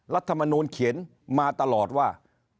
รัฐมนูลเขียนมาตลอดว่า